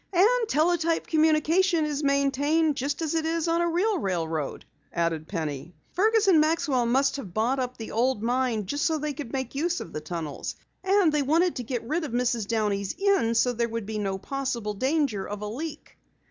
"And teletype communication is maintained just as it is on a real railroad," added Penny. "Fergus and Maxwell must have bought up the old mine just so they could make use of the tunnels. And they wanted to get rid of Mrs. Downey's Inn so there would be no possible danger of a leak.